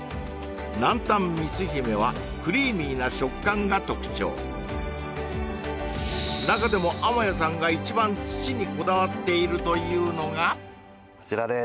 なんたん蜜姫はクリーミーな食感が特徴中でも天谷さんが一番土にこだわっているというのがこちらです